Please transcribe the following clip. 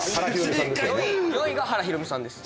４位が原博実さんです。